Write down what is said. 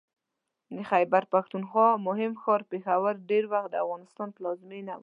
د خیبر پښتونخوا مهم ښار پېښور ډېر وخت د افغانستان پلازمېنه وه